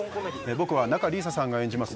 僕は仲里依紗さんが出演します